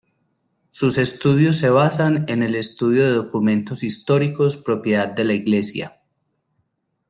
Sus estudios se basan en el estudio de documentos históricos propiedad de la iglesia.